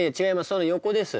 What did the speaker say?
その横です。